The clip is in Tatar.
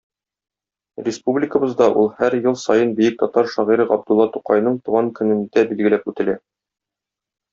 Республикабызда ул һәр ел саен бөек татар шагыйре Габдулла Тукайның туган көнендә билгеләп үтелә.